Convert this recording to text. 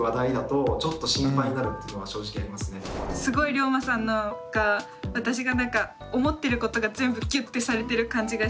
すごいりょうまさんのが私が思ってることが全部ぎゅってされてる感じがして。